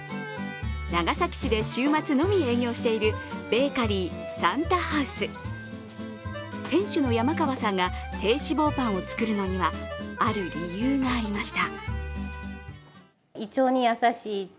長崎市で週末のみ営業しているベーカリー、さんたハウス店主の山川さんが低脂肪パンを作るのには、ある理由がありました。